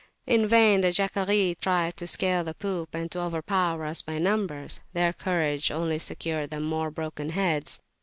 In vain the "Jacquerie," tried to scale the poop and to overpower us by numbers; their courage only secured them more broken heads.